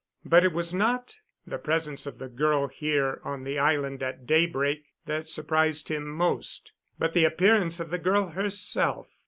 But it was not the presence of the girl here on the island at daybreak that surprised him most, but the appearance of the girl herself.